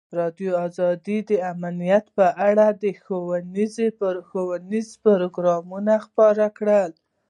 ازادي راډیو د امنیت په اړه ښوونیز پروګرامونه خپاره کړي.